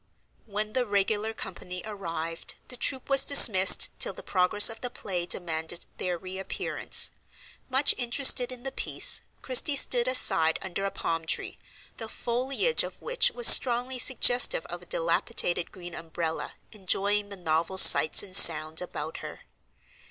When the regular company arrived, the troop was dismissed till the progress of the play demanded their reappearance. Much interested in the piece, Christie stood aside under a palm tree, the foliage of which was strongly suggestive of a dilapidated green umbrella, enjoying the novel sights and sounds about her.